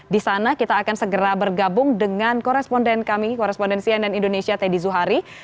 di sana kita akan segera bergabung dengan koresponden kami korespondensi nn indonesia teddy zuhari